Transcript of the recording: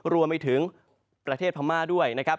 รวมไปถึงประเทศพม่าด้วยนะครับ